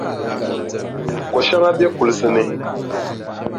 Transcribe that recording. Koʼ shɛŋa be kulisi ni.